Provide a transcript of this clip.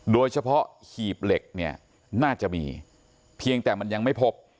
โดยเฉพาะหีบเหล็กน่าจะมีเพียงแต่มันยังไม่พบ